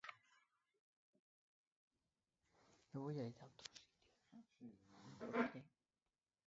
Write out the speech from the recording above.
Tiene un preámbulo y siete artículos.